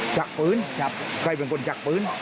จับปืนใครเป็นคนจับปืน